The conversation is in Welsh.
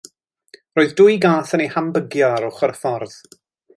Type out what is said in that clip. Roedd dwy gath yn ei hambygio ar ochr y ffordd.